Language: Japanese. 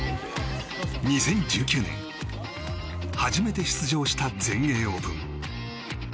２０１９年初めて出場した全英オープン。